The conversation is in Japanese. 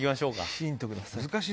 ヒントください。